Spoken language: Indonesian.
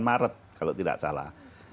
maret kalau tidak salah